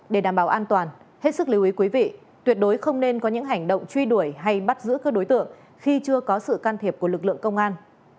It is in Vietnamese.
để đảm bảo an toàn hết sức lưu ý quý vị tuyệt đối không nên có những hành động truy đuổi hay bắt giữ các đối tượng khi chưa có sự can thiệp của lực lượng công an